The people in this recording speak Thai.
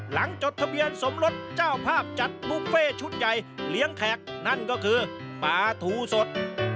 จดทะเบียนสมรสเจ้าภาพจัดบุฟเฟ่ชุดใหญ่เลี้ยงแขกนั่นก็คือปลาถูสด